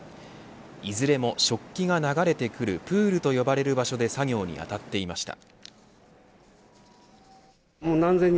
いずれも食器が流れてくるプールと呼ばれる場所で作業にあたっていました。